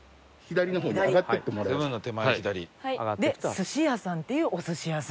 スシヤさんっていうお寿司屋さん。